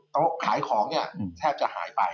ขายของเนี่ยแทบจะหายไป